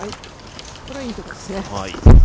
これはいいところですね。